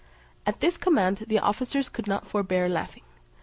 At this command the officers could not forbear laughing.